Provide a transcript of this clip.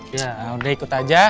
ya udah ikut aja